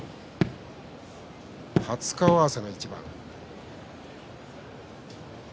初顔合わせの一番です。